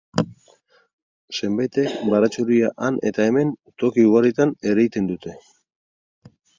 Zenbaitek baratxuria han eta hemen, toki ugaritan ereiten dute.